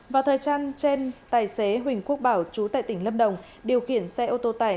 vào thời trang trên tài xế huỳnh quốc bảo chú tại tỉnh lâm đồng điều khiển xe ô tô tải